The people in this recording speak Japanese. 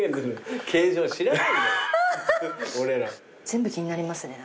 全部気になりますね。